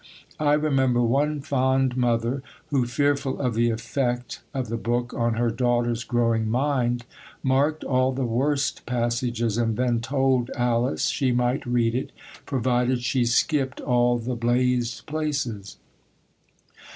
I remember one fond mother, who, fearful of the effect of the book on her daughter's growing mind, marked all the worst passages, and then told Alice she might read it, provided she skipped all the blazed places!